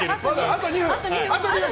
あと２分！